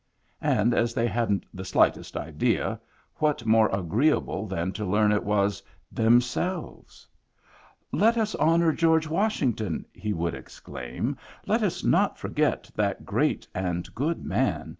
And as they hadn't the slightest idea, what more agreeable than to learn it was themselves ?" Let us honor George Washington " (he would exclaim), " let us not forget that great and good man